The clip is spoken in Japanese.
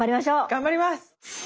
頑張ります！